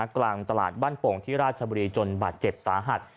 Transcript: กลางตลาดบ้านโป่งที่ราชบุรีจนบาดเจ็บสาหัส